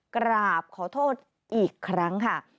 กราบขอโทษอีกครั้งค่ะ